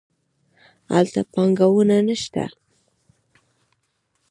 هلته پانګونه نه شته.